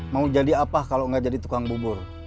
mau jadi apa kalau nggak jadi tukang bubur